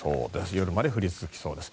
夜まで降り続きそうです。